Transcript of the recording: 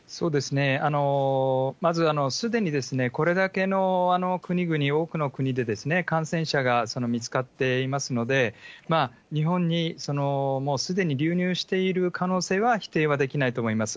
まず、すでにこれだけの国々、多くの国で感染者が見つかっていますので、日本にもうすでに流入している可能性は否定はできないと思います。